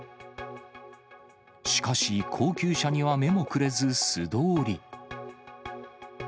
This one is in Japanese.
しかし高級車には目もくれず素通り。